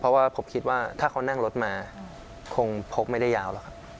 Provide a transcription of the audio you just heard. เพราะผมคิดว่าถ้าเขานั่งรถมาคงพกไม่ได้ยาว